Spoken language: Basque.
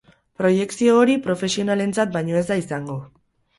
Proiekzio hori profesionalentzat baino ez da izango.